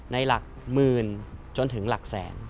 หลักหมื่นจนถึงหลักแสน